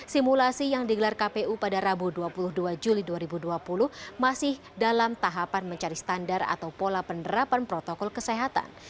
simulasi yang digelar kpu pada rabu dua puluh dua juli dua ribu dua puluh masih dalam tahapan mencari standar atau pola penerapan protokol kesehatan